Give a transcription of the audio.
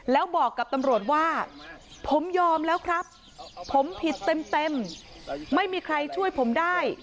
แล้วบอกกับตำรวจว่าผมยอมแล้วครับผมผิดเต็มไม่มีใครช่วยผมได้